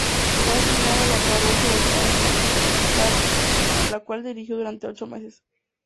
Fue asignado a la parroquia de Taxco, la cual dirigió durante ocho meses.